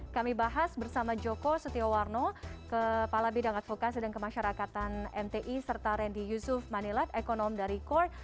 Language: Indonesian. kami bahas bersama joko setiawarno kepala bidang advokasi dan kemasyarakatan mti serta randy yusuf manilat ekonom dari korp